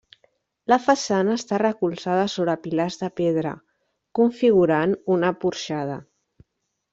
La façana està recolzada sobre pilars de pedra, configurant una porxada.